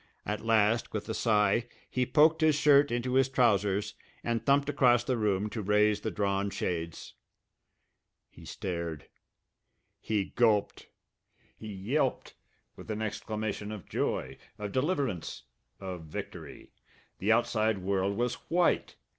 At last, with a sigh, he poked his shirt into his trousers and thumped across the room to raise the drawn shades. He stared. He gulped. He yelped with an exclamation of joy, of deliverance, of victory! The outside world was white!